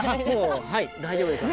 はい大丈夫です。